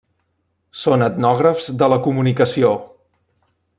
Són etnògrafs de la comunicació.